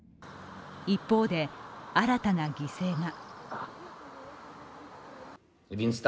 一方で、新たな犠牲が。